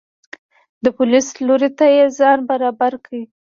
د پولیس لوري ته یې ځان برابر کړ.